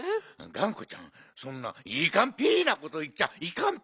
がんこちゃんそんなイイカンピーなこといっちゃいかんピ。